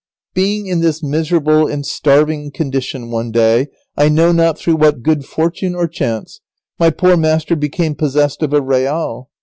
] Being in this miserable and starving condition, one day, I know not through what good fortune or chance, my poor master became possessed of a real.